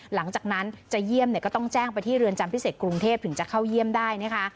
หลังจากนั้นจะเยี่ยมเนี่ยก็ต้องแจ้งไปที่เรือนจำพิเศษกรุงเทพถึงจะเข้าเยี่ยมได้นะคะ